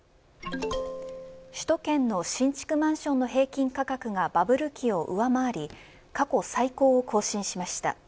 首都圏の新築マンションの平均価格がバブル期を上回り過去最高を更新しました。